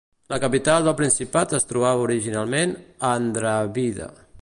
La capital del principat es trobava originalment a Andravida.